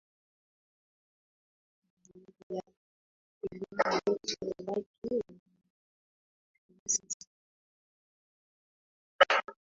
sawa ile laki edward yetu ni laki na hayana kabisa samaki zote ziliharibika